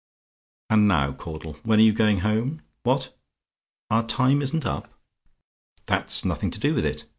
"And now, Caudle, when are you going home? What? "OUR TIME ISN'T UP? "That's nothing to do with it.